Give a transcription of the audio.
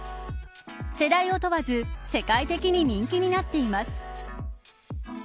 世代を問わず世界的に人気になっています。